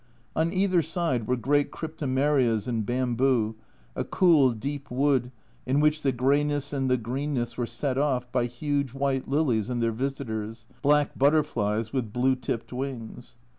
On either side were great Cryptomerias and bamboo, a cool deep wood in which the greyness and the greenness were set off by huge white lilies and their visitors, black butterflies with blue tipped wings.